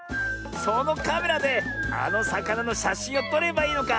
そのカメラであのさかなのしゃしんをとればいいのか。